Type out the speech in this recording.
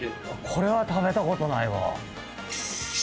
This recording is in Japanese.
これは食べたことないわ。